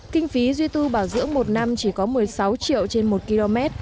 kinh phí duy tu bảo dưỡng một năm chỉ có một mươi sáu triệu trên một km